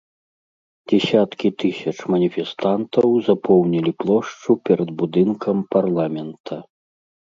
Дзесяткі тысяч маніфестантаў запоўнілі плошчу перад будынкам парламента.